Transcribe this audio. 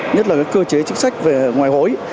nhất là cơ chế chính sách về ngoại hối